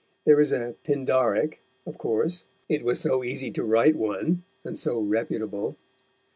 There is a "Pindarick," of course; it was so easy to write one, and so reputable.